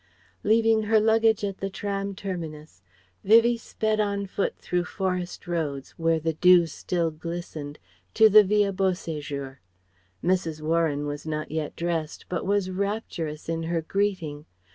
Leaving her luggage at the tram terminus, Vivie sped on foot through forest roads, where the dew still glistened, to the Villa Beau séjour. Mrs. Warren was not yet dressed, but was rapturous in her greeting.